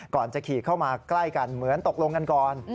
ก่อนจะขี่เข้ามาใกล้กันเหมือนตกลงกันก่อน